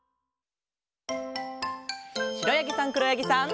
しろやぎさんくろやぎさん。